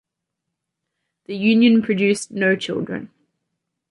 The union produced no children.